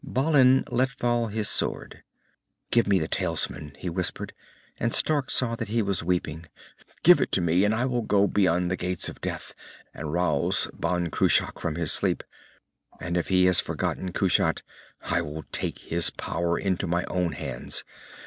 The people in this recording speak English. Balin let fall his sword. "Give me the talisman," he whispered, and Stark saw that he was weeping. "Give it me, and I will go beyond the Gates of Death and rouse Ban Cruach from his sleep. And if he has forgotten Kushat, I will take his power into my own hands.